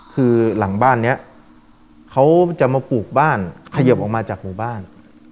คือหลังบ้านนี้เขาจะมาปลูกบ้านเขยิบออกมาจากหมู่บ้าน